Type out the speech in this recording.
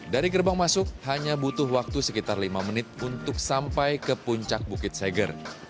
dari gerbang masuk hanya butuh waktu sekitar lima menit untuk sampai ke puncak bukit seger